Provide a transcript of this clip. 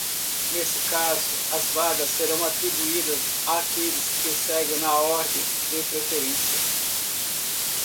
Nesse caso, as vagas serão atribuídas àqueles que seguem na ordem de preferência.